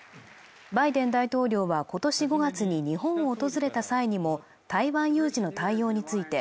バイデン大統領はことし５月に日本を訪れた際にも台湾有事の対応について